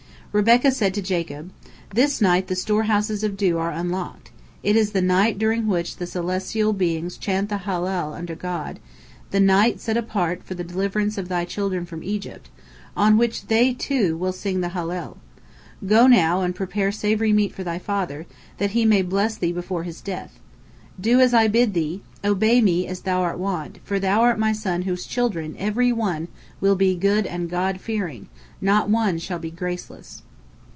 Rebekah said to Jacob: "This night the storehouses of dew are unlocked; it is the night during which the celestial beings chant the Hallel unto God, the night set apart for the deliverance of thy children from Egypt, on which they, too, will sing the Hallel. Go now and prepare savory meat for thy father, that he may bless thee before his death. Do as I bid thee, obey me as thou art wont, for thou art my son whose children, every one, will be good and God fearing—not one shall be graceless."